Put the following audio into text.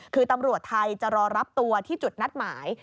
คือตำรวจไทยจะรอรับตัวที่จุดนัดหมาย